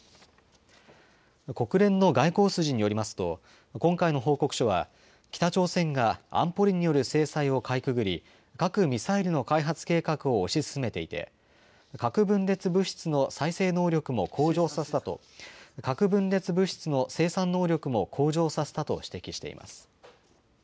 国連の外交筋によりますと、今回の報告書は、北朝鮮が安保理による制裁をかいくぐり、核・ミサイルの開発計画を推し進めていて、核分裂物質の生産能力も向上させたと核分裂物質の生産能力も向上させたと指摘しています。